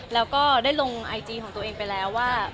แล้วก็ได้ลงไอจีของตัวเองไปแล้วว่า